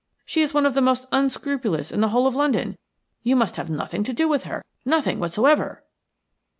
She is one of the most unscrupulous in the whole of London. You must have nothing to do with her – nothing whatever."